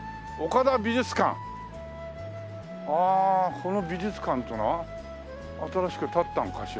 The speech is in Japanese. この美術館っていうのは新しく建ったのかしら。